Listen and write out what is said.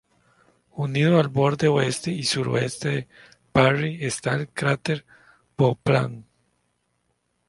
Unido al borde oeste y suroeste de Parry está el cráter Bonpland.